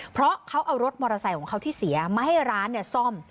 เพราะเขาเอารถมอเตอร์ไซค์ของเขาที่เสียมาให้ร้านซ่อม